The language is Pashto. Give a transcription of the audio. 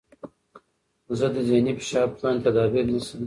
زه د ذهني فشار پر وړاندې تدابیر نیسم.